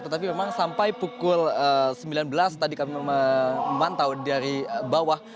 tetapi memang sampai pukul sembilan belas tadi kami memantau dari bawah